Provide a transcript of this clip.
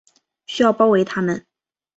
需要包围他们